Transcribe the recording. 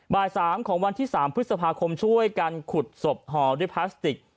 บ่าย๓ของวันที่๓พฤษภาคมช่วยกันขุดศพห่อด้วยพลาสติก